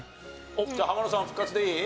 おっじゃあ浜野さん復活でいい？